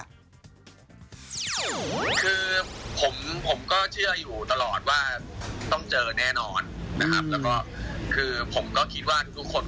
ผมก็เชื่ออยู่ตลอดว่าต้องเจอแน่นอนนะครับเราก็คิดว่า